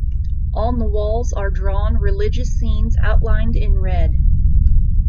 On the walls are drawn religious scenes outlined in red.